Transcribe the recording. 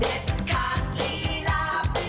เด็ดขาดลีลาไปเลย